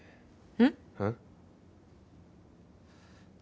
うん？